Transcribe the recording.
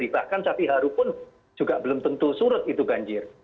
bahkan satiharu pun juga belum tentu surut itu banjir